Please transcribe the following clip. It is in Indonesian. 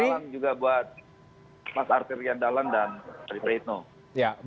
selamat malam juga buat mas arteria dahlan dan pdi prayitno